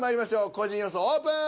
個人予想オープン。